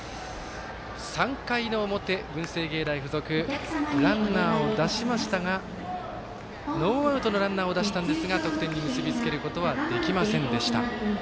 ３回の表、文星芸大付属ノーアウトのランナーを出したんですが得点に結び付けることはできませんでした。